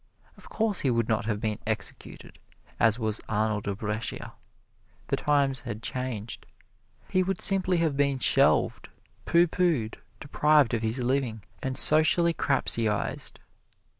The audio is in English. Of course he would not have been executed, as was Arnold of Brescia the times had changed he would simply have been shelved, pooh poohed, deprived of his living and socially Crapseyized.